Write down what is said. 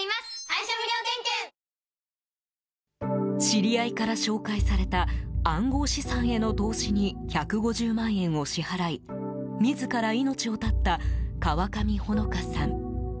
知り合いから紹介された暗号資産への投資に１５０万円を支払い自ら命を絶った川上穂野香さん。